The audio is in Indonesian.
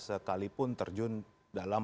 sekalipun terjun dalam